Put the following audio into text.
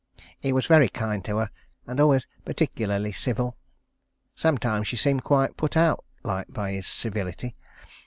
He was very kind to her, and always particularly civil. Sometimes she seemed quite put out like by his civility.